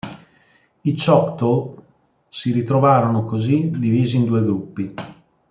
I Choctaw si ritrovarono così divisi in due gruppi.